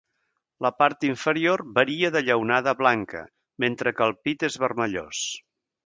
La part inferior varia de lleonada a blanca, mentre que el pit és vermellós.